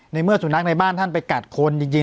ในเมื่อสุนัขในบ้านท่านไปกัดคนจริง